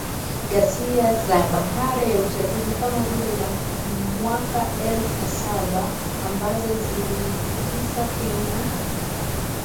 ghasia za baada ya uchaguzi kama zile za mwaka elfu na saba ambazo ziliitikisa Kenya